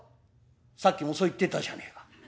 さっきもそう言ってたじゃねえか。